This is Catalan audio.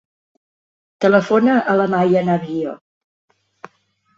Telefona a la Maia Navio.